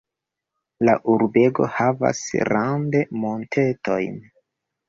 La urbego havas rande montetojn.